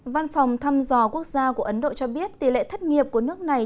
văn phòng thăm dò quốc gia của ấn độ cho biết tỷ lệ thất nghiệp của nước này